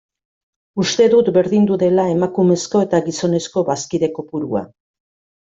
Uste dut berdindu dela emakumezko eta gizonezko bazkide kopurua.